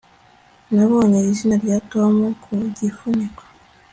Nabonye izina rya Tom ku gifuniko